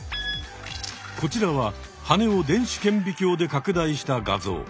こちらははねを電子けんび鏡で拡大した画像。